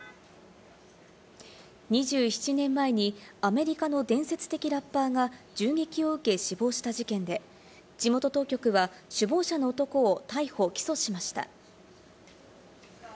２７年前にアメリカの伝説的ラッパーが銃撃を受け死亡した事件で、地元当局は首謀者の男を逮捕、起訴しました。